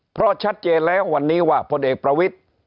เพราะชัดเจนแล้ววันนี้ว่าพลเอกประวิทธิ์